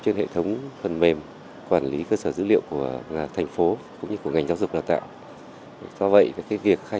của quản lý cơ sở dữ liệu của thành phố cũng như của ngành giáo dục đào tạo do vậy cái việc khai